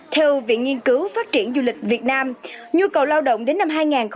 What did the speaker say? theo viện nghiên cứu phát triển du lịch việt nam nhu cầu lao động đến năm hai nghìn ba mươi